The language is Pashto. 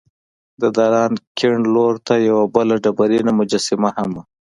د دالان کیڼ لور ته یوه بله ډبرینه مجسمه هم وه.